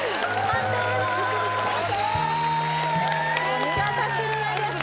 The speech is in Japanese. お見事クリアです